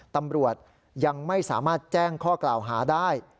ตำรวจยังไม่สามารถแจ้งข้อกล่าวหาได้